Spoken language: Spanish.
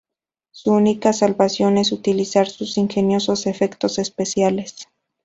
Su única salvación es utilizar sus ingeniosos efectos especiales.